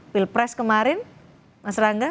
pilpres kemarin mas rangga